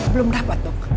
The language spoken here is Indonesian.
belum dapat dok